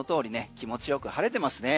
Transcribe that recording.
気持ちよく晴れてますね。